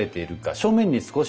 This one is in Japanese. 正面に少し。